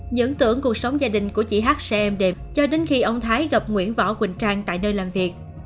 những tưởng cuộc sống gia đình của chị hắc sẽ êm đềm cho đến khi ông thái gặp nguyễn võ quỳnh trang tại nơi làm việc